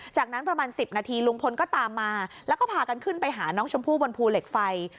จากนั้นประมาณ๑๐นาทีลุงพลก็ตามมาแล้วก็พากันขึ้นไปหาน้องชมพู่บนภูเหล็กไฟ